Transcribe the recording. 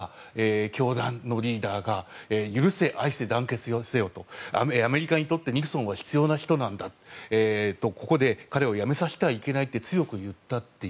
韓国から来た教団のリーダーが「許せ、愛せ、団結せよ」とアメリカにとってニクソンは必要な人なんだここで彼を辞めさせてはいけないと強く言ったと。